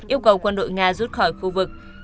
yêu cầu quân đội nga rút khỏi khu vực